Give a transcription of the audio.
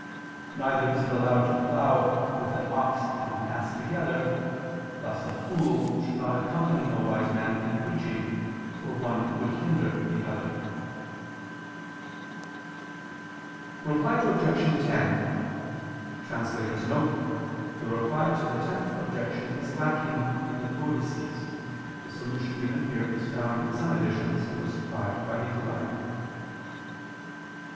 Neither is it allowed to plough "with an ox and an ass together"; thus a fool should not accompany a wise man in preaching, for one would hinder the other. Reply Obj. 10: [*The Reply to the Tenth Objection is lacking in the codices. The solution given here is found in some editions, and was supplied by Nicolai.